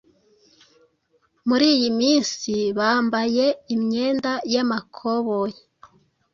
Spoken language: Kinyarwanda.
muri iyi minsi bambaye imyenda y’amakoboyi